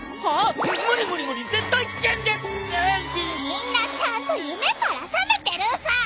みんなちゃんと夢から覚めてるさ！